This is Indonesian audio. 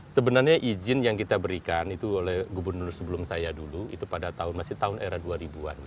sebenarnya izin yang kita berikan itu oleh gubernur sebelum saya dulu itu pada tahun masih tahun era dua ribu an